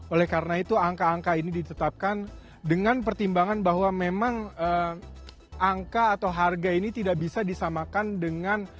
oleh karena itu angka angka ini ditetapkan dengan pertimbangan bahwa memang angka atau harga ini tidak bisa disamakan dengan